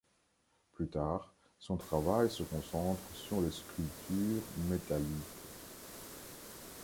Plus tard, son travail se concentre sur les sculptures métalliques.